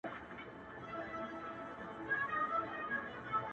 دبۍ انترنیشنال هوایي میدان د ګران افغانستا په لور،